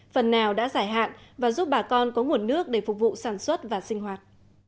phần nào đã giải hạn và giúp bà con có nguồn nước để phục vụ sản xuất và sinh hoạt